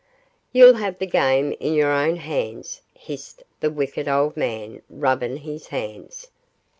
'You'll have the game in your own hands,' hissed the wicked old man, rubbing his hands.